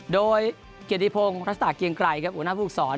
โดยเกียรติพงศ์รัฐศาสตร์เกียงไกลครับอุณหาภูมิศส่วน